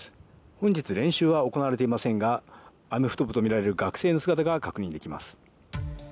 本日、練習は行われていませんが、アメフト部とみられる学生の姿が確認できます。